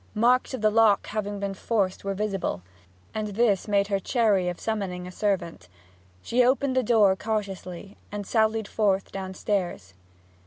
Marks of the lock having been forced were visible, and this made her chary of summoning a servant. She opened the door cautiously and sallied forth downstairs.